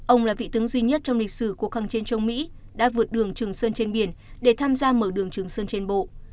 ông là vị tướng duy nhất trong lịch sử cuộc kháng chiến chống mỹ đã vượt đường trường sơn trên biển để tham gia mở đường trường sơn trên bộ